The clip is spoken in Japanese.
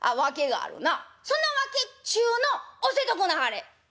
「その訳っちゅうの教とくんなはれ」。